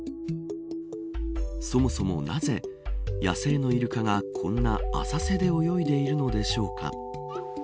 そもそもなぜ野生のイルカがこんな浅瀬で泳いでいるのでしょうか。